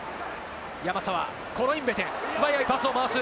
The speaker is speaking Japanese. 山沢、コロインベテ、素早いパスを回す。